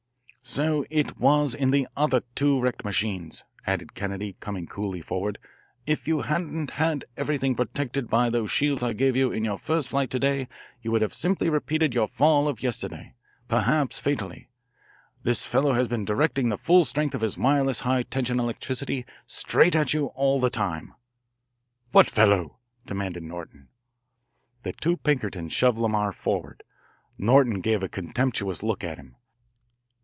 "So it was in the other two wrecked machines," added Kennedy, coming coolly forward. "If you hadn't had everything protected by those shields I gave you in your first flight to day you would have simply repeated your fall of yesterday perhaps fatally. This fellow has been directing the full strength of his wireless high tension electricity straight at you all the time." "What fellow?" demanded Norton. The two Pinkertons shoved Lamar forward. Norton gave a contemptuous look at him.